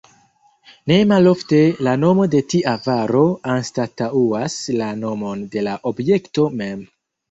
Ne malofte la nomo de tia varo anstataŭas la nomon de la objekto mem.